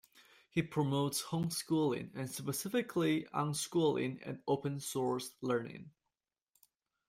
He promotes homeschooling, and specifically unschooling and open source learning.